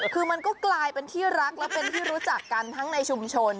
คือมันก็กลายเป็นที่รักและเป็นที่รู้จักกันทั้งในชุมชน